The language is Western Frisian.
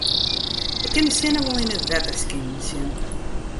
Ik kin de sinne wol yn it wetter skinen sjen.